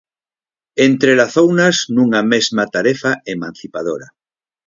Entrelazounas nunha mesma tarefa emancipadora.